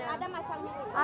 ada macangnya juga